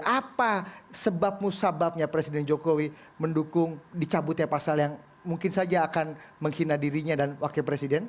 apa sebab musababnya presiden jokowi mendukung dicabutnya pasal yang mungkin saja akan menghina dirinya dan wakil presiden